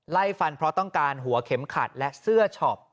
ไล่ฟันเพราะต้องการหัวเข็มขัดและเสื้อช็อป